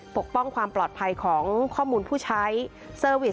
ปกป้องความปลอดภัยของข้อมูลผู้ใช้เซอร์วิส